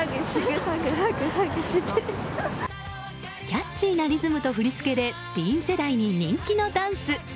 キャッチーなリズムと振り付けでティーン世代に人気のダンス。